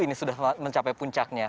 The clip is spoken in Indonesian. ini sudah mencapai puncaknya